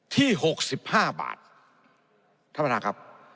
ที่๖๕บาท